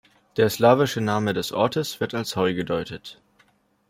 Der slawische Name des Ortes wird als „Heu“ gedeutet.